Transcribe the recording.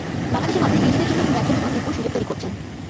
বাংলাদেশের মানুষ নিজেদের জন্য এবং ব্যবসার জন্য বিপুল সুযোগ তৈরি করছেন।